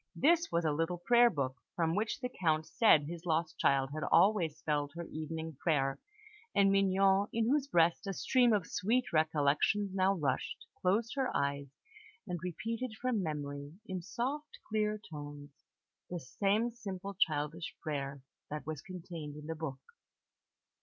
This was a little prayer book, from which the Count said his lost child had always spelled her evening prayer; and Mignon, in whose breast a stream of sweet recollections now rushed, closed her eyes, and repeated from memory, in soft, clear tones, the same simple childish prayer that was contained in the book.